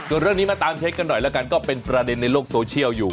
ส่วนเรื่องนี้มาตามเช็คกันหน่อยแล้วกันก็เป็นประเด็นในโลกโซเชียลอยู่